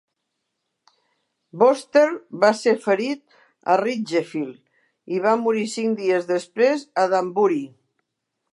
Wooster va ser ferit a Ridgefield i va morir cinc dies després a Danbury.